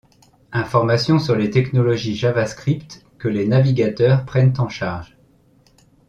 Informations sur les technologies JavaScript que les navigateurs prennent en charge.